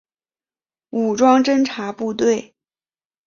武装侦察部队。